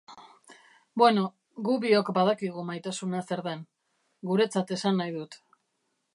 Bueno, gu biok badakigu maitasuna zer den, guretzat esan nahi dut.